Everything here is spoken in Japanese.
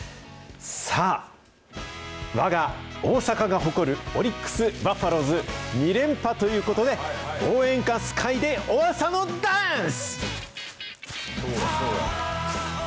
さあ、わが大阪が誇るオリックスバファローズ２連覇ということで、応援歌、ＳＫＹでオアサのダンス。